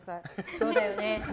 そうだよね。